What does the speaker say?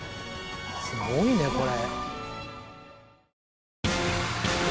すごいねこれ。